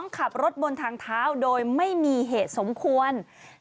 ขับรถบนทางเท้าโดยไม่มีเหตุสมควร